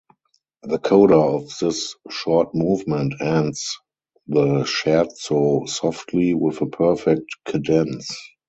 The coda of this short movement ends the Scherzo softly with a perfect cadence.